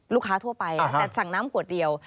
ลูกค้าทั่วไปอ่ะแต่สั่งน้ำกวดเดียว